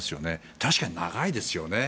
確かに長いですよね。